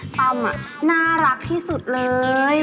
ตำน่ารักที่สุดเลย